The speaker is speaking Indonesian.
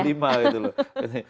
tetap masih ada